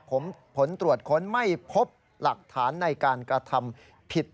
ผลตรวจค้นไม่พบหลักฐานในการกระทำผิด